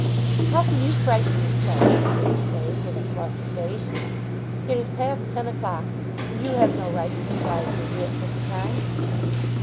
"How can you frighten me so?" she exclaimed, with a flushed face. "It is past ten o'clock, and you have no right to surprise me here at such a time."